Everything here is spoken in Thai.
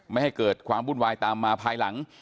ไม่ให้เกิดความวุ่นวายตามมาภายหลัง